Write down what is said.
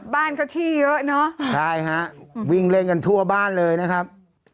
บ้านก็ที่เยอะเนอะใช่ฮะวิ่งเล่นกันทั่วบ้านเลยนะครับ